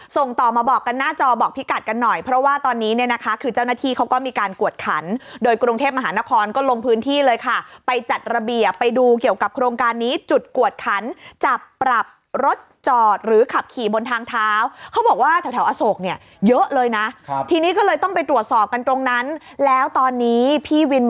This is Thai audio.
ส่งต่อมาบอกกันหน้าจอบอกพี่กัดกันหน่อยเพราะว่าตอนนี้เนี่ยนะคะคือเจ้าหน้าที่เขาก็มีการกวดขันโดยกรุงเทพมหานครก็ลงพื้นที่เลยค่ะไปจัดระเบียบไปดูเกี่ยวกับโครงการนี้จุดกวดขันจับปรับรถจอดหรือขับขี่บนทางเท้าเขาบอกว่าแถวอโศกเนี่ยเยอะเลยนะทีนี้ก็เลยต้องไปตรวจสอบกันตรงนั้นแล้วตอนนี้พี่วิน